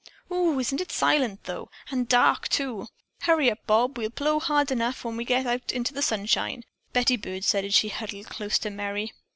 "Ohoo! Isn't it silent, though, and dark, too? Hurry up, Bob. We'll blow hard enough when we get out into the sunshine," Betty Byrd said as she huddled close to Merry.